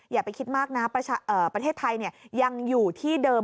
อย่าไปคิดมากนะประเทศไทยยังอยู่ที่เดิม